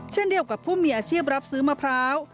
เช่นเดียวกับผู้มีอาชีพรับซื้อมะพร้าว